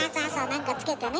なんかつけてね。